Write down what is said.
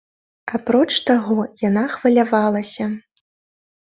Апроч таго, яна хвалявалася.